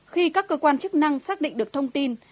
khi các cơ quan chức năng xác định được thông tin